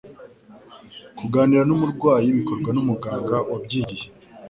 kuganira n'umurwayi bikorwa n'umuganga wabyigiye